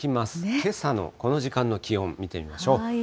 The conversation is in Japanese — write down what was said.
けさのこの時間の気温見てみましょう。